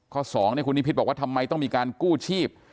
๒คุณนิพิษบอกว่าทำไมต้องมีการกู้ชีพ